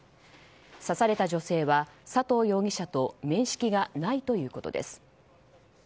刺された女性は佐藤容疑者と面識がないということです。